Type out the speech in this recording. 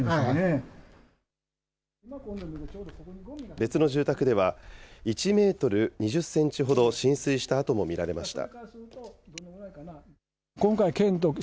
別の住宅では、１メートル２０センチほど浸水した跡も見られました。